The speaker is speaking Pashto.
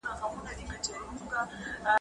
قاضي عبدالودود د څېړني د معیار په اړه وینا کړې ده.